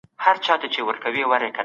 د دود او نوښت توازن څه و؟